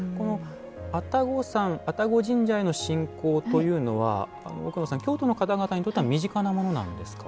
愛宕山、愛宕神社への信仰というのは奥野さん、京都の方々にとっては身近なものなんですか？